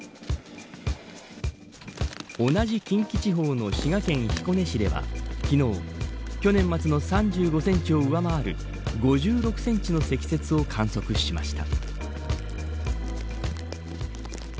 同じ近畿地方の滋賀県彦根市では昨日、去年末の３５センチを上回る５６センチの積雪を観測しました。